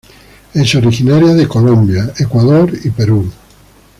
Es originaria de Colombia, Ecuador y Perú.